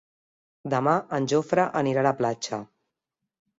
Demà en Jofre anirà a la platja.